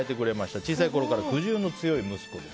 小さいころからくじ運の強い息子です。